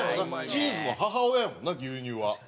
チーズの母親やもんな牛乳は。